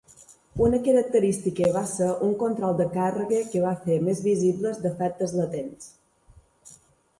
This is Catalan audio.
Una característica va ser un control de càrrega que va fer més visibles defectes latents.